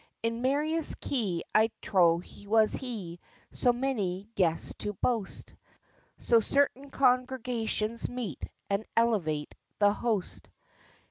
In merriest key I trow was he, So many guests to boast; So certain congregations meet, And elevate the host.